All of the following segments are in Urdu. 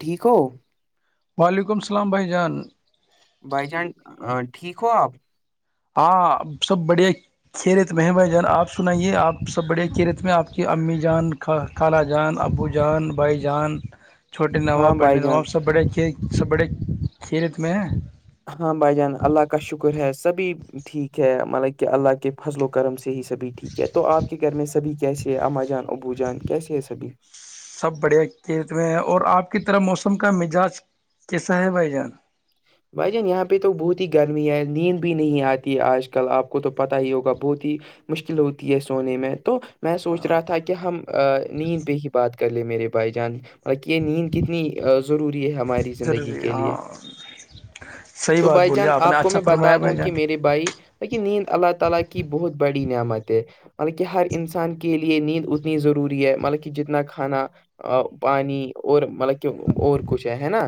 ٹھیک ہو وعلیکم السلام بھائی جان بائی چانس ٹھیک ہو آپ ہاں سب بڑھیا کیھیرت میں ہے بھائی جان آپ سنائیے آپ سب بڑے کیھییرت میں آپ کی امی جان خ کالا جان ابو جان بھائی جان چھوٹے نواب ہاں بڑے بھائی جان نواب سب بڑے کھی سب بڑے کھیرت میں ہیں ہاں بھائی جان اللہ کا شکر ہے سبھی ٹھیک ہے مطلب کہ اللہ کے فضل و کرم سے ہی سبھی ٹھیک ہے کیا تو آپ کے گھر میں سبھی کیسے ہے اما جان ابو جان کیسے ہے سبھی سب بڑھیا کیت میں ہیں اور آپ کی طرح موسم کا مزاج کیسا ہے بھائی جان بھائی جان یہاں پہ تو بہت ہی گرمی ہے نیند بھی نہیں آتی ہے آج کل آپ کو تو پتا ہی ہوگا بہت ہی مشکل ہوتی ہے سونے میں تو میں سوچ رہا تھا کہ ہم نیند پہ ہی بات کر لے میرے بھائی جان ب کہ یہ نیند کتنی ضروری ہے ہماری زندگی ضروری کے ہاں لیے صحیح تو بات بھائی بولیے جان نے آپ کو اچھا میں فرمایا بتا دوں بھائی جان کہ میرے بھائی [unintelligible] ے نیند اتنی ضروری ہے مطلب کہ جتنا کھانا پانی اور مطلب کہ اور کچھ ہے ہے نا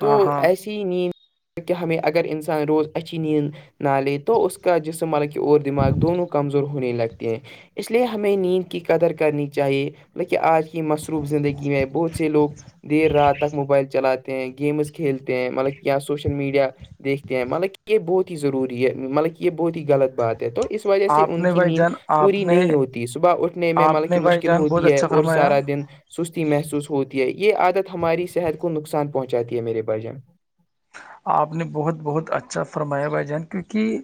تو ہاں ہاں ایسی اچھی نیند کے ہم اگر انسان روز اچھی نیند نہ لے تو اس کا جسما کہ اور دماغ دونوں کمزور ہونے لگتے ہیں اس لیے ہمیں نیند کی قدر کرنی چاہیے لیکہ آج کی مصروف زندگی میں بہت سے لوگ دیر رات تک موبائل چلاتے ہیں گیمز کھیلتے ہیں مطلب کیا سوشل میڈیا دیکھتے ہیں مطلب کہ یہ بہت ہی ضروری ہے مطلب کہ یہ بہت ہی غلط بات ہے تو اس وجہ سے آپ ان نے کی بھائی نیند جان آپ پوری نے نہیں ہوتی صبح اٹھنے میں آپ مطلب نے کہ بھائی مشکل جان بہت ہوتی ہے اچھا اور فرمایا سارا دن سستی محسوس ہوتی ہے یہ عادت ہماری صحت کو نقصان پہنچاتی ہے میرے بھجن آپ نے بہت بہت اچھا فرمایا بھائی جان کیونکہ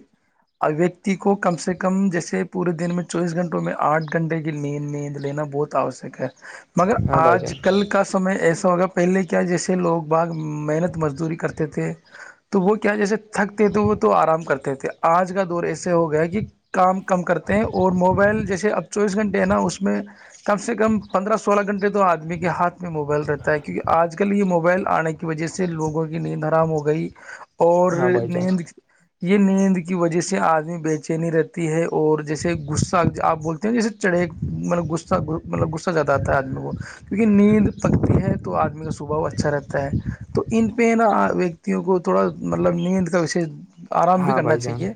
ابویکتی کو کم سے کم جیسے پورے دن میں چوبیس گھنٹوں میں آٹھ گھنٹے کی نیند میند لینا بہت تا ہو سک ہے مگر ہاں بھائی آج جان کل کا سمے ایسا ہوگا پہلے کیا جیسے لوگ باغ محنت مزدوری کرتے توتے تو وہ کیا جیسے تھکتے تھے وہ تو آرام کرتے تھے آج کا دور ایسے ہو گیا ہے کہ کام کم کرتے ہیں اور موبائل جیسے اب چوبیس گھنٹے ہیں نا اس میں کم سے کم پندرہ سولہ گھنٹے تو آدمی کے ہاتھ میں موبائل رہتا ہے کیونکہ آج کل یہ موبائل آنے کی وجہ سے لوگوں کی نیند حرام ہو گئی اور ہاں بھائی جان نیند یہ نیند کی وجہ سے آدمی بےچینی رہتی ہے اور جیسے غصہ آپ بول جیسے چڑےبغہ مطلب غصہ زیادہ آتا ہے آدمی کو کیونکہ نیند پکتی ہے تو آدمی کا سوباؤ اچھا رہتا ہے تو ان پہ نا وں کو تھوڑا مطلب نیند کا وش آرام بھی ہاں کرنا بھائی جان چاہیے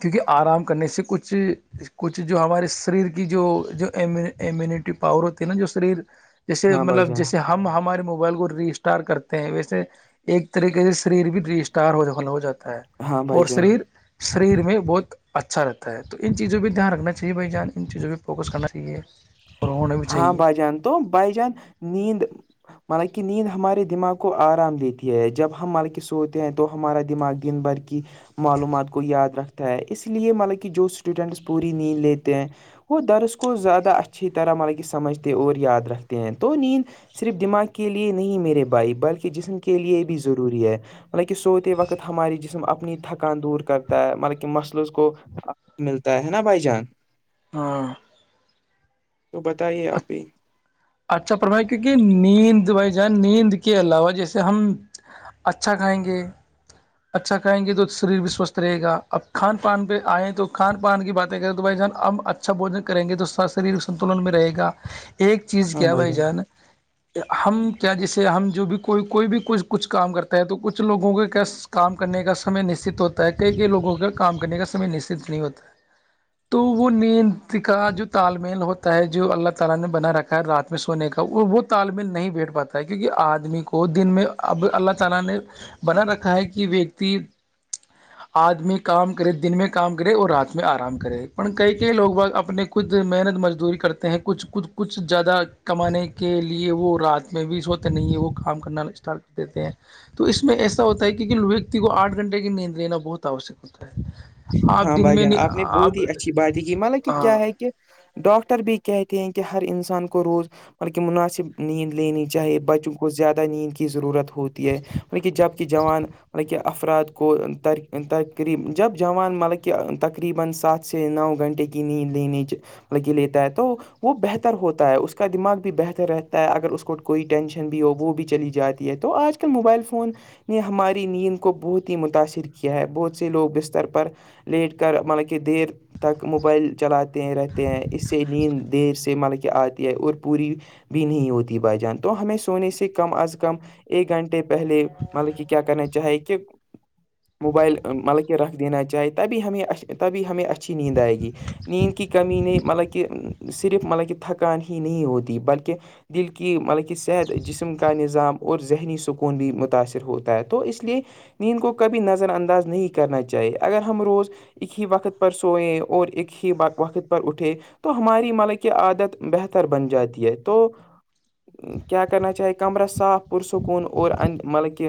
کیونکہ آرام کرنے سے کچھ کچھ جو ہمارے شریر کی جو جو امیونٹی پاور ہوتی ہے نا جو شریر جیسے ہاں بھائی مطلب جان جیسے ہمارے موبائل کو ریسٹار کرتے ہیں ویسے ایک طریقے سے شریر بھی ری اسٹار ہو دخل ہو جاتا ہے ہاں بھائی اور جان شریر شریر میں بہت اچھا رہتا ہے تو ان چیزوں پہ دھیان رکھنا چاہیے بھائی جان ان چیزوں پہ فوکس کرنا چاہیے اور ہونا بھی ہاں چاہیے بھائی جان تو بائی جان نیند مطب کی نیند ہمارے دماغ کو آرام دیتی ہے جب ہم مط کے سوتے ہیں تو ہمارا دماغ بھر کی معلومات کو یاد رکھتے ہے اس لیے مطلب کہ جو اسٹوڈنٹس پوری نیند لیتے ہیں وہ درس کو زیادہ اچھی طرح مطلب کہ سمجھتے ہیں اور یاد رکھتے ہیں تو نیند صرف دماغ کے لیے نہیں میرے بھائی بلکہ جسم کے لیے بھی ضروری ہے ملکہ سوتے وقت ہماری جسم اپنی تھکان دور کرتا ہے مطلب کہ مسلوز کو ملتا ہے نا بھائی جان ہاں تو بتائیے آپ ہی اچھا پرھائی کیونکہ نیند بھائی جان نیند کے علاوہ جیسے ہم اچھا کھائیں گے اچھا کھائیں گے تو شریر بھی سوستھ رہے گا اب کھان پان پہ آئے تو کھان پان کی باتیں کریں تو بھائی جان ہم اچھا بوجن کریں گے تو س شاریرک سنتلن میں رہے گا ایک چیز کیا بھائی جان ہم کیا جیسے ہم جو بھی کوئی کوئی بھی کوئی کچھ کام کرتا ہے تو کچھ لوگوں کے کیا کام کرنے کا سمے نشچت ہوتا ہے کئی کئی لوگوں کا کام کرنے کا سمے نشچت نہیں ہوتا ہے تو وہ نیند کا جو تال میل ہوتا ہے جو اللہ تعالی نے بنا رکھا خیر رات میں سونے کا وہ تال مل نہیں بیٹ پاتا ہے کیونکہ آدمی کو دن میں اب اللہ تعالی نے بنا رکھا ہے کہ ویکتی آدمی کام کرے دن میں کام کرے اور رات میں آرام کرے پر کئی کئی لوگ ب اپنے خچود محنت مزدوری کرتے ہیں کچھ کود کچھ کچھ زیادہ کمانے کے لیے وہ رات میں بی س وت نہیں ہے وہ کام کرنا اسٹارٹ کر دیتے ہیں تو اس میں ایسا ہوتا ہے کیکہ ویکتی کو آھ گھنٹے کی نیند لینا بہت آوشک ہوتا ہے آپ ہاں دن بھائی میں جان نہیں آپ نے بہت ہی اچھی باتیں کی مطلب کہ کیا ہاں، ہے کہ ڈاکٹر بھی کہتے ہیں کہ ہر انسان کو روز بلکہ مناسب نیند لینی چاہے بچوں کو زیادہ نیند کی ضرورت ہو ہوتی ہے مطلب کہ جبک جوان مطلب کہ افراد کو تقریب جب جوان مطلب کہ تقریبا سات سے نو گھنٹے کی نیند لینے مطلب کہ لیتا ہے تو وہ بہتر ہوتا ہے اس کا دماغ بھی بہتر رہتا ہے اگر اس کو کوئی ٹینشن بھی ہو وہ بھی چلی جاتی ہے تو آج موبائل فون نے ہماری نیند کو بہت ہی متاثر کیا ہے بہت سے لوگ بستر پر لیٹ کر مطلکہ دیر تک موبائل چلاتے رہتے ہیں اس سے نیند دیر سے مطل کہ آتی ہے اور پ پوری بھی نہیں ہوتی بائی جان تو ہمیں سونے سے کم از کم ایک گھنٹے پہلے مطلب کہ کیا کرنا چاہی کہ موبائل مطلب کہ کے رکھ دینا چاہے تبھی ہمیں تبھی ہمیں اچھی نیند آئے گی نیند کی کمی نے مطلب کہ صرف مطلب کہ تھکان ہی نہیں ہوتی بلکہ دل کی مطلب کہ صحت جسم کا نظام اور ذہنی سکون بھی متاثر ہوتا ہے تو اس لیئے نیند کو کبھی نظر انداز نہیں کیا کرنا چاہیے اگر ہم روز ایک ہی وقت پر سوئئے اور ایک ہی وقت پر اٹھے تو ہماری ملک یہ عادت بہتر بن جاتی ہے تو کیا کرنا چاہے کمرہ صاف پ سکون ا اور ان مطلب کہ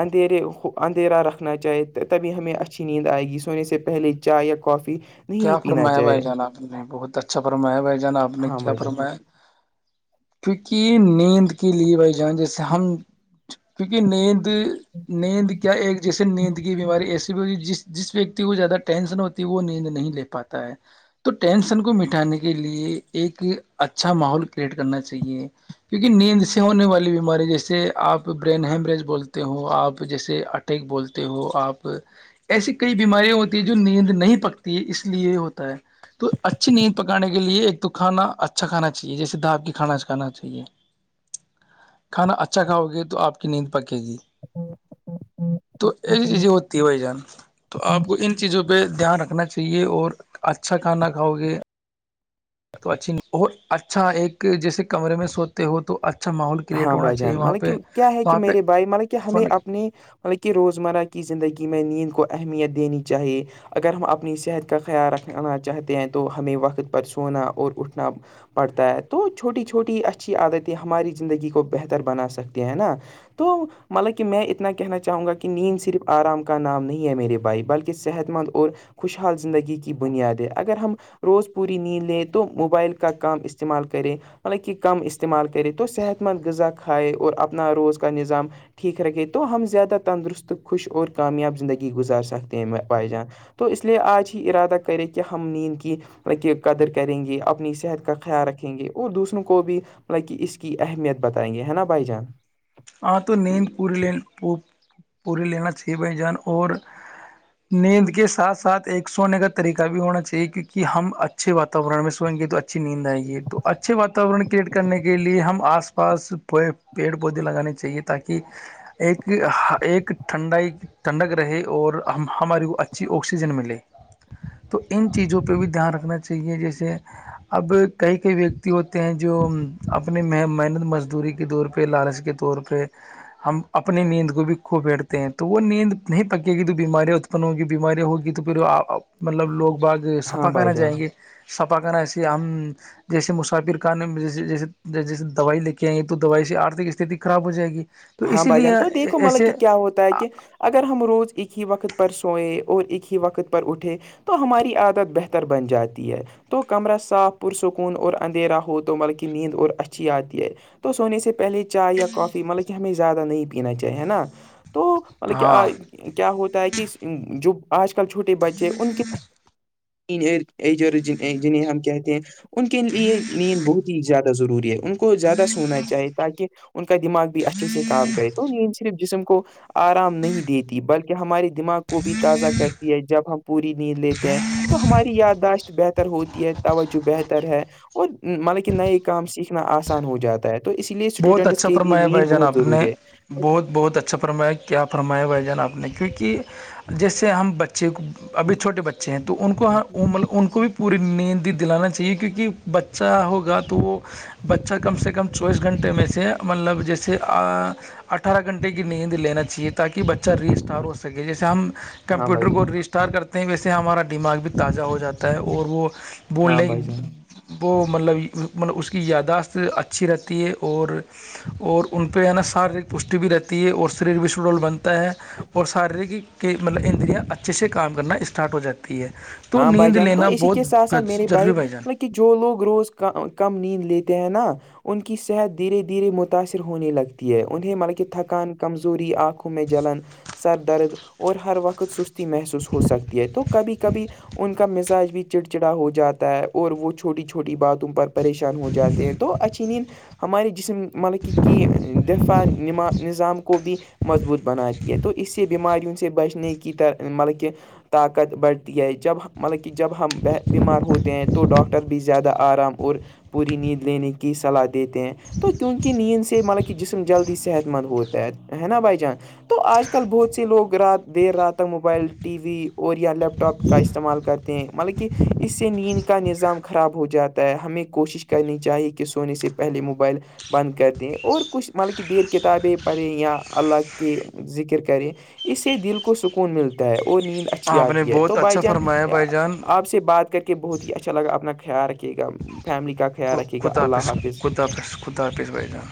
اندھیرے اندھیرا رکھنا چاہیے تبھی ہمیں اچھی نیند آئے گی سونے سے پہلے چائے یا کافی نہیں کیا پینا فرمایا بھائی چاہیے جان آپ نے بہت اچھا فمایا بھائی جان آپ نے ہاں کیا بھائی جان فرمایا کیونکہ نیند کے لیے بھائی جان جیسے ہم کیونکہ نیند نیند کیا ایک جیسے نیند کی بیماری ایسی بھی جس جس ویکتی کو زیادہ ٹینشن ہوتی ہے وہ نیند نہیں لے پاتا ہے تو ٹینشن کو مٹانے کے لیے ایک اچھا ماحول کریئٹ کرنا چاہیے کیونکہ نیند سے ہونے والی بیماری جیسے آپ برین ہیمریج بولتے ہو آپ جیسے اھ ھ بولتے ہو آپ ایسی کئی بیمارییا ہوتی ہیں جو نیند نہیں پکتی اس لیے ہوتا ہے تو اچھی نیند پکانے کے لیے ایک کھانا اچھا کھانا چاہیے جیےھاابک کھانا کھانا چاہیے کھانا اچھا کھاؤ گے تو آپ کی نیند پکے گی تو ایسی چیزیں ہوتی ہے بھائی جان تو آپ کو ان چیزوں پہ پہ دھیان رکھنا چاہیے اور اچھا کھانا کھاؤ گے تو اچھی اور اچھا ایک جیسے کمرے میں سوتے ہو تو اچھا ماحول کریٹ ہاں ہونا بھائی چاہیے جان وہاں مطلب پہ کہ کیا ہے کہ وہاں پہ میرے بھائی مطلب کہ ہمیں سونے اپنی بلکہ روزمرہ کی زندگی میں نیند کو اہمیت دینی چاہیے اگر ہم اپنی صحت کا خیال رکھنا چاہتے ہیں تو ہمیں وقت پر سونا اور اٹھنا پڑتا ہے تو چھوٹی چھوٹی اچھی عادتیں ہماری زندگی کو بہتر بنا سکتے ہیں نا تو مطلب کہ میں اتنا کہنا چاہوں گا کہ نیند صرف آرام کا نام نہیں ہے میرے بھائی بلکہ صحت مند اور خوشحال زندگی کی بنیادیں اگر ہم روز پوری نیند لے تو موبائل کا کام استعمال کرے مطلب کہ کم استعمال کرے تو صحت مند غذا کھائے اور اپنا روز کا نظام ٹھیک رکھے تو ہم زیادہ تندرست خوش اور کامیاب زندگی گزار سکتے ہیں بائی جان تو اس لیے آج ہی ارادہ کرے کہ ہم نیند کی ل کہ قدر کریں گے اپنی صحت کا خیال رکھیں گے اور دوسروں کو بھی لائ اس کی اہمیت بتائیں گے ہے نا بھائی جان ہاں تو نیند پوری لین پوری لینا چھ بائی جان اور نیند کے سات ساتھ ایک سونے کا طریقہ بھی ہونا چاہیے کیک ہم اچھے واورن میں سوئیں گے تو اچا اچھی نیند آئے گ ہے تو اچھے واورن کریئٹ کرنے کےے ہم آس پ پاس پ پیڑ پودے لگانے چاہیے تاکہ ایک ایک ٹھنڈائی ٹھنڈک رہے اور ہماری کو اچھی آکسیجن ملے تو ان چیزوں پہ بھی دھیان رکھنا چاہیے جیسے اب کئی کئی ویکتی ہوتے ہیں جو اپنے محنت مزدوری کے طور پہ لالچ کے طور پر کہ ہم اپنی نیند کو بھی کوپیٹتے ہیں تو وہ نیند نہیں پکے گی تو بیماریاں اتپن ہوگی بیماریاں ہوگی تو پھر مطلب لوگ باغ ہاں سپاکانہ بھائی جان جائیں گے سپاکانہ ایے ہم جیسے مسافر خان جی جیسے دوائی لے کے آئی تو دوائی سے آرھک استھتی خراب ہو ہو جائے گی تو ہاں اسی بھ لیے جان تو دیکھو مطلب ایسے کہ کیا ہوتا ہے کہ اگر ہم روز ایک ہی وقت پر سوئئے اور ایک ہی وقت پر اٹھے تو ہماری عادت بہتر بن جاتی ہے تو کمرہ صاف پرسکون اور اندھیرا ہو تو بلکہ نیند اور اچھی آتی ہے تو سونے سے پہلے چائے یا کافی مطلب کہ ہمیں زیادہ نہیں پینا چاہیے ہے نا تو مطلب کیا ہاں کیا ہوتا ہے کہ اس جو آج کل چھوٹے بچے ان کے ایر جنہیں ہم کہتے ہیں ان کے لیے نیند بہت ہی زیادہ ضروری ہے ان کو زیادہ سونا چاہی تاکہ ان کا دماغ بھی اچھے سے کام کرے تو صرف جسم کو آرام نہیں دیتی بلکہ ہمارے دماغ کو بھی تازہ کرتی ہے جب ہم پوری نیند لیتے ہیں تو ہماری یادداشت بہتر ہوتی ہے توجہ بہتر ہے اور مطلب کہ نئے کام سیکھنا آسان ہو جاتا ہے تو اس لیے بہت اسٹوڈنٹس اچھا کے لیے فرمایا نیند بھائی جان بہت آپ نے ضروری ہے بہت بہت اچھا فرمایا کیا فرمایا بھائی جان آپ نے کیونکہ جیسے ہم بچے کو ابھی چھوٹے بچے ہیں تو ان کوطلب ان کو بھی پوری نیندی دلانا چاہیے کیونکہ بچہ ہوگا تو وہ بچہ کم سے کم چوائس گھنٹے میں سے مطلب جیسے اٹھارہ گھنٹے کی نیند لینا چاہیے تاکہ بچہ ری اسٹار ہو سکے جیسے ہم ہاں کمپیوٹر بھائی کو جان ری اسٹار ار کرتے ہیں ویسے ہمارا دماغ بھی تازہ ہو جاتا ہے اور وہ ہاں بولنے بھائی جان وہ مطلب مطلب اس کی یاداشت اچھی رہتی ہے اور اور ان پہ ہے نا شاریک پشٹی بھی رہتی ہے اور شریر بھی سڈول بنتا ہے اور شارییریک مطلب اندریاں اچھے سے کام کرنا اسٹارٹ ہو جاتا ہے ہے تو ہاں بھائی نیند جان تو لینا اسی کے ساتھ بہت ساتھ میرے ضروری بھائی جان مطلب کہ جو لوگ روز کم نیند لیتے ہیں نا ان کی صحت دھیرے دھیرے متاثر ہونے لگتی ہے انہیں ملکی تھکان کمزوری آنکھوں جلن سر درد اور ہر وقت سستی محسوس ہو سکتی ہے تو کبھی کبھی ان کا مزاج بھی چڑ چڑا ہو جاتا ہے اور وہ چھوٹی چھوٹی باتوں پر پریشان ہو جاتی تو اچینین ہمارے جسم ملکی کی دفاعم نظام کو بھی مضبوط بناتی ہے تو اس سے بیماریوں سے بچنے کی طر مطلب کہ طاقت بڑ یہ جب مطلب کہ جب ہم بیمار ہوتے ہیں تو ڈاکٹر بھی زیادہ آرام اور پوری نیند لینے کی صلاح دیتے ہیں تو کیونکہ نیند سے مطلب کہ جسم جلدی صحت مند ہوتا ہے ہے نا بھائی جان تو آج کل بہت سے لوگ رات دیر رات تک موبائل ٹی وی اور یا لیپٹاپ ٹاپ کا استعمال کرتے ہیں مطلب کہ اس سے نیند کا نظام خراب ہو جاتا ہے ہمیں کوشش کرنی چاہیے کہ سونے سے پہلے موبائل بند کر دیں اور کچھ مطلب کہ دیر کتابیں پڑھیں یا اللہ کی ذکر کریں اس سے دل کو سکون ملتا ہے اور نیند اچھی آپ نے آتی ہے تو بہت بائی اچھا جان فرمایا آ بھائی جان آ سے بات کر کے بہت ہی اچھا لگا اپنا خیال رکے گا فیملی کا خیال رکھے گا اللہ حافظ خدا پ خدا پس بائیان